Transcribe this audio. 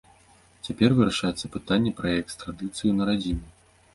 Цяпер вырашаецца пытанне пра яе экстрадыцыю на радзіму.